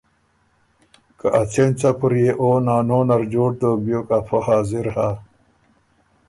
که ا څېن څپُر يې او نانو نر جوړ دوک بیوک افۀ حاضر هۀ۔